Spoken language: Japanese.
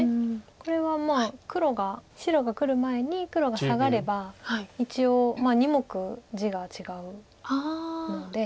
これは白がくる前に黒がサガれば一応２目地が違うので。